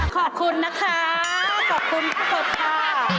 ขอบคุณนะครับขอบคุณทั้งหมดค่ะ